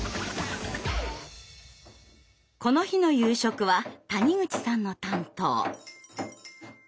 この日の夕食は谷口さんの担当。